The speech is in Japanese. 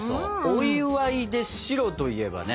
お祝いで白といえばね